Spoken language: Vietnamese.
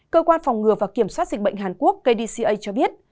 cơ quan phòng ngừa và kiểm soát dịch bệnh hàn quốc kdca cho biết